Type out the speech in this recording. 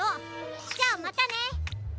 じゃまたね。